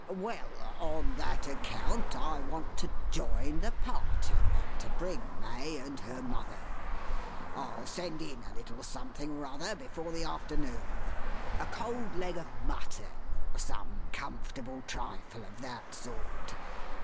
Well! on that account I want to join the party, and to bring May and her mother. I'll send in a little something or other, before the afternoon. A cold leg of mutton, or some comfortable trifle of that sort.